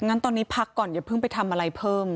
งั้นตอนนี้พักก่อนอย่าเพิ่งไปทำอะไรเพิ่ม